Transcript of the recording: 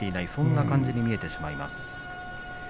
そんな感じに見えてしまいます。